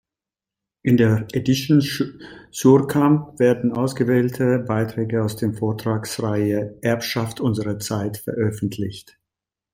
In der edition suhrkamp werden ausgewählte Beiträge aus der Vortragsreihe "Erbschaft unserer Zeit" veröffentlicht.